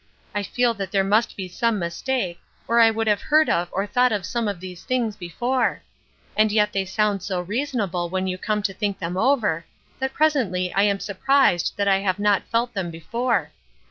I feel that there must be some mistake, or I would have heard of or thought of some of these things before. And yet they sound so reasonable when you come to think them over, that presently I am surprised that I have not felt them before.